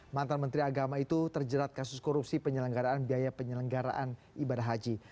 mantan menteri agama itu terjerat kasus korupsi penyelenggaraan biaya penyelenggaraan ibadah haji